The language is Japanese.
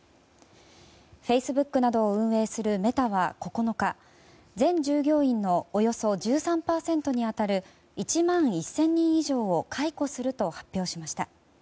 フェイスブックなどを運営するメタは９日全従業員のおよそ１３％にあたる１万１０００人以上を解雇すると発表しました。